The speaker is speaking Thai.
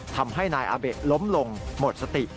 ทำให้นายอาเบะล้มลงหมดสติ